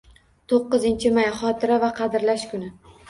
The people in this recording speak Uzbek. To'qqizinchi may – Xotira va Qadrlash kuni